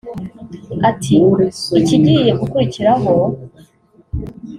Ati “ikigiye gukurikiraho